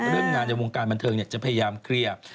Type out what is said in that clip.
เรื่องงานในวงการบันเทิงจะพยายามเคลียร์